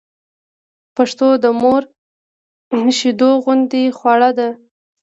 پښتو د مور شېدو غوندې خواړه ده